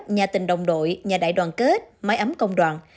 nhà tình đồng đội nhà đại đoàn kết máy ấm công đoàn